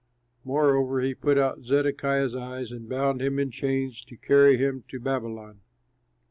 Moreover, he put out Zedekiah's eyes and bound him in chains to carry him to Babylon.